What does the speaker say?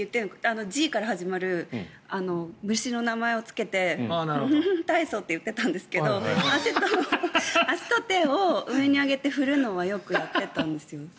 Ｇから始まる虫の名前を付けて体操って言ってたんですけど足と手を上に上げて振るのはよくやっていたんです。